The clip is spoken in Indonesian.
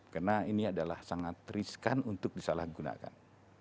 karena ini adalah sangat riskan untuk disalahgunakan